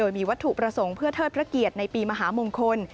มีวัตถุประสงค์เพื่อเทิดพระเกียรติในปีมหามงคล